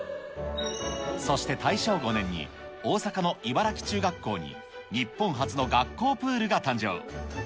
そして大正５年に、大阪の茨木中学校に日本初の学校プールが誕生。